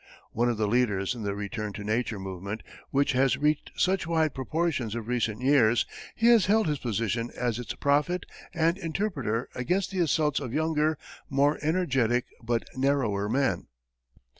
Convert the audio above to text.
One of the leaders in the "return to nature" movement which has reached such wide proportions of recent years, he has held his position as its prophet and interpreter against the assaults of younger, more energetic, but narrower men.